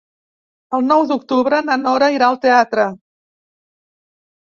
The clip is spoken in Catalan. El nou d'octubre na Nora irà al teatre.